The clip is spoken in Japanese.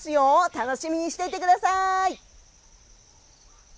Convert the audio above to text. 楽しみにしていてください！